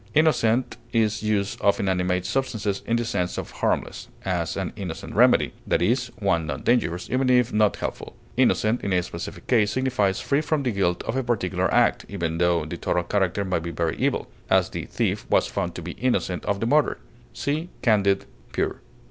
Innocent is used of inanimate substances in the sense of harmless; as, an innocent remedy, that is, one not dangerous, even if not helpful. Innocent, in a specific case, signifies free from the guilt of a particular act, even tho the total character may be very evil; as, the thief was found to be innocent of the murder. See CANDID; PURE.